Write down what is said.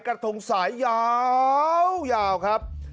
กระทงสายยาวครับ